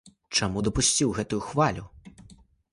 Чаму дапусціў гэтаю хвалю?